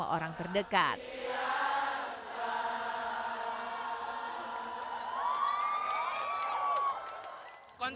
apa perangkat fans kerja pada kali ini